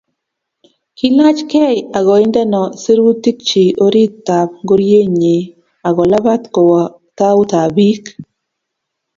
Kilachgei akoindeno sirutikchi oritab ngorienyi akolabat kowo tautab biik